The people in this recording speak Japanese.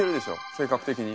性格的に。